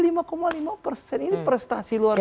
ini prestasi luar biasa